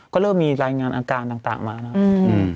ก็เริ่มมีรายงานอาการต่างมานะครับ